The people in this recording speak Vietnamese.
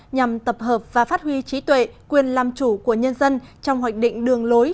nhằm tập hợp và phát huy trí tuệ quyền làm chủ của nhân dân trong hoạch định đường lối